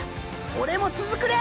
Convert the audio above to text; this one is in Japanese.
俺も続くで！